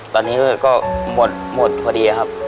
ตอนนี้ก็หมดพอดีครับ